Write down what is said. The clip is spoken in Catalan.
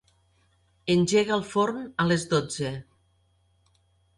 Engega el forn a les dotze.